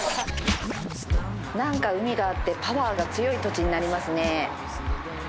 何か海があってパワーが強い土地になりますね。